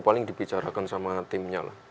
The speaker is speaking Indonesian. paling dibicarakan sama timnya lah